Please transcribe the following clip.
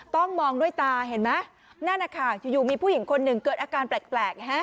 ต้องมองด้วยตาเห็นไหมนั่นนะคะอยู่มีผู้หญิงคนหนึ่งเกิดอาการแปลก